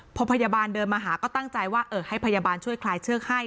พอพยาบาลเดินมาหาก็ตั้งใจว่าให้พยาบาลช่วยคลายเชือกให้